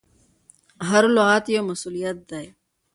هر لغت یو مسؤلیت دی.